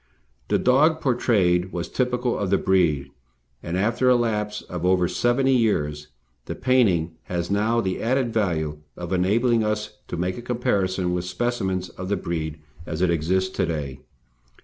The dog portrayed was typical of the breed, and after a lapse of over seventy years, the painting has now the added value of enabling us to make a comparison with specimens of the breed as it exists to day.